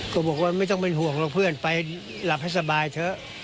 บอกว่าไม่ต้องเป็นห่วงหรอกเพื่อนไปหลับให้สบายเถอะ